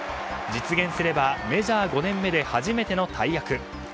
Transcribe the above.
実現すればメジャー５年目で初めての大役。